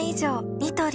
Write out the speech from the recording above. ニトリ